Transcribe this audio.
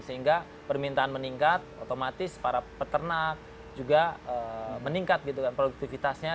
sehingga permintaan meningkat otomatis para peternak juga meningkat produktivitasnya